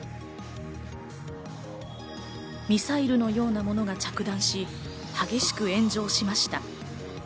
ミサイルのようなものが着弾し、激しく炎上しました。